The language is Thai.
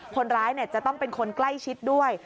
คนร้ายจะต้องเป็นคนใกล้ชิดด้วย